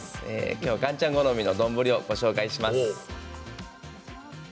今日は岩ちゃん好みの丼をご紹介します。